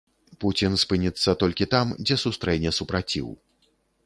Пуцін спыніцца толькі там, дзе сустрэне супраціў.